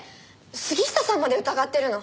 杉下さんまで疑ってるの？